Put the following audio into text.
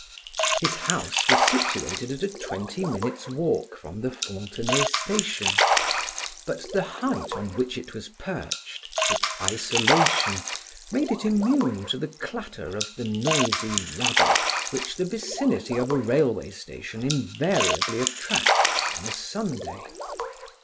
His house was situated at a twenty minutes' walk from the Fontenay station, but the height on which it was perched, its isolation, made it immune to the clatter of the noisy rabble which the vicinity of a railway station invariably attracts on a Sunday.